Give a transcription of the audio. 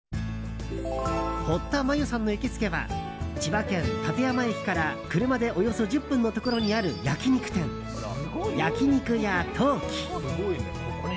堀田真由さんの行きつけは千葉県館山駅から車でおよそ１０分のところにある焼き肉店、焼肉家東貴。